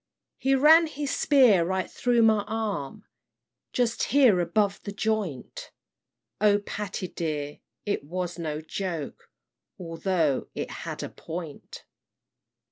"He ran his spear right through my arm, Just here above the joint; O Patty dear, it was no joke, Although it had a point.